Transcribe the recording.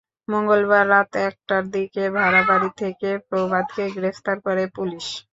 মঙ্গলবার রাত একটার দিকে ভাড়া বাড়ি থেকে প্রভাতকে গ্রেপ্তার করে পুলিশ।